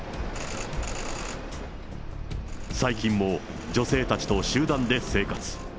最近も女性たちと集団で生活。